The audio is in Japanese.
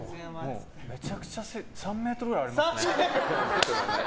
めちゃくちゃ、背が３ｍぐらいあります？